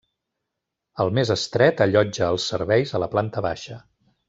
El més estret allotja els serveis a la planta baixa.